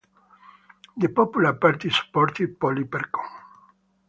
The popular party supported Polyperchon.